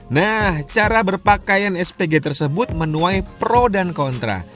nah cara berpakaian spg tersebut menuai pro dan kontra